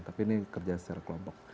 tapi ini kerja secara kelompok